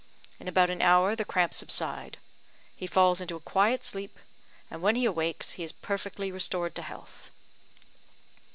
In about an hour the cramps subside; he falls into a quiet sleep, and when he awakes he is perfectly restored to health."